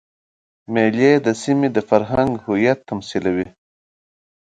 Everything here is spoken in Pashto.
مېلې د سیمي د فرهنګ هویت تمثیلوي.